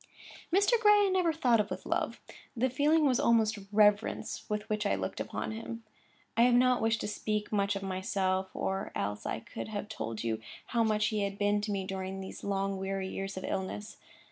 Mr. Gray I never thought of with love; the feeling was almost reverence with which I looked upon him. I have not wished to speak much of myself, or else I could have told you how much he had been to me during these long, weary years of illness.